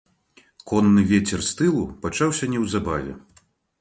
Конны вецер з тылу пачаўся неўзабаве.